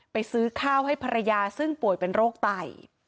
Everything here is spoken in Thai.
ซื้อข้าวให้ภรรยาซึ่งป่วยเป็นโรคไต